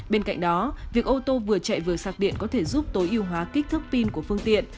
bên cạnh đó việc ô tô vừa chạy vừa sạc điện có thể giúp tối ưu hóa kích thước pin của phương tiện